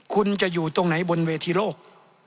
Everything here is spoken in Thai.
คุณจะอยู่ตรงไหนบนเวทีโลก